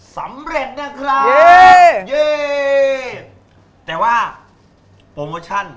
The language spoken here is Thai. สำเร็จนะครับเย่แต่ว่าโปรโมชั่น